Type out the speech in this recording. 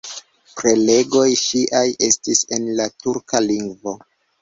Prelegoj ŝiaj estis en la turka lingvo.